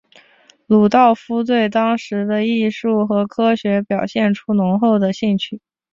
鲁道夫对当时的艺术和科学表现出浓厚的兴趣。